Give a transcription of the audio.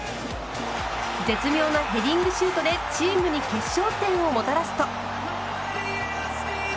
絶妙なヘディングシュートでチームに決勝点をもたらすと。